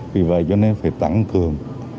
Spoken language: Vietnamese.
vì vậy cho nên phải tăng cường